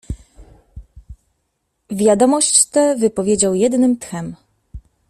"Wiadomość tę wypowiedział jednym tchem."